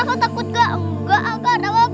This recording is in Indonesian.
bisa tunggu sebentar pak rt